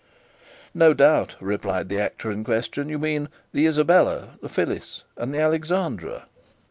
"'No doubt,' replied the actor in question, 'you mean the "Isabella," the "Phyllis," and the "Alexandra."